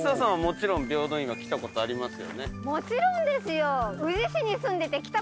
もちろんですよ。